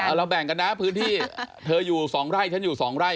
เราแบ่งกันนะพื้นที่เธออยู่๒ไร่ฉันอยู่๒ไร่